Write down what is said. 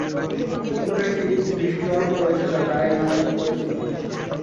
উত্তরের একটি বৃষ্টি অরণ্য রয়েছে, যা তারাই নামে পরিচিত।